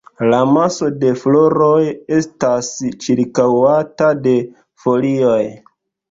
La maso de floroj estas ĉirkaŭata de folioj.